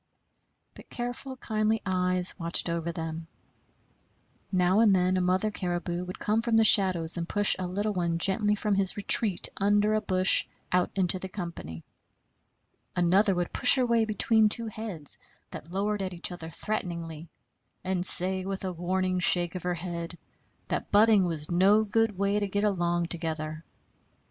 But careful, kindly eyes watched over them. Now and then a mother caribou would come from the shadows and push a little one gently from his retreat under a bush out into the company. Another would push her way between two heads that lowered at each other threateningly, and say with a warning shake of her head that butting was no good way to get along together.